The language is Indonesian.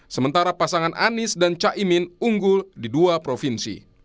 sementara pasangan anies dan caimin unggul di dua provinsi